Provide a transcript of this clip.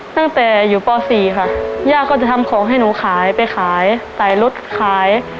ตั้งแต่อยู่ป๔ค่ะย่าก็จะทำของให้หนูขายไปขายใส่รถขาย